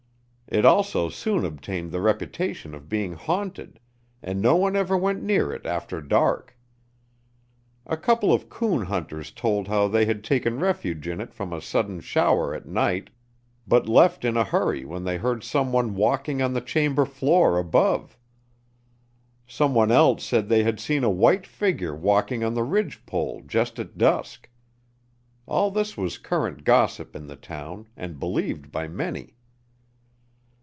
It also soon obtained the reputation of being haunted, and no one ever went near it after dark. A couple of 'coon hunters told how they had taken refuge in it from a sudden shower at night, but left in a hurry when they heard some one walking on the chamber floor above. Some one else said they had seen a white figure walking on the ridge pole just at dusk. All this was current gossip in the town, and believed by many.